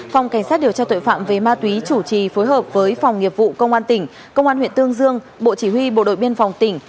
phòng cảnh sát điều tra tội phạm về ma túy chủ trì phối hợp với phòng nghiệp vụ công an tỉnh công an huyện tương dương bộ chỉ huy bộ đội biên phòng tỉnh